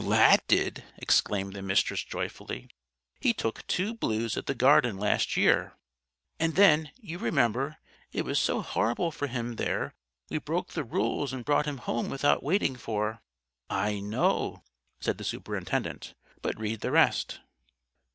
"Lad did!" exclaimed the Mistress joyfully. "He took two Blues at the Garden last year; and then, you remember, it was so horrible for him there we broke the rules and brought him home without waiting for " "I know," said the Superintendent, "but read the rest."